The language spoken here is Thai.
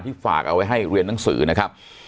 ฝากเอาไว้ให้เรียนหนังสือนะครับ